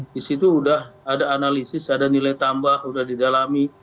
di situ sudah ada analisis ada nilai tambah sudah didalami